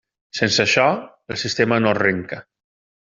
Sense això, el sistema no arrenca.